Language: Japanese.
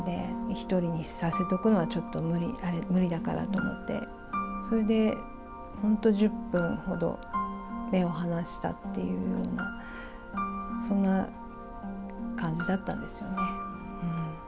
１人にさせておくのはちょっと無理だからと思って、それで本当、１０分ほど目を離したっていうような、そんな感じだったんですよね。